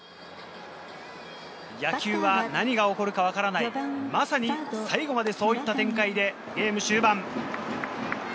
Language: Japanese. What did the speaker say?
野球は何が起こるかわからない、まさに最後までそういった展開でゲーム終盤。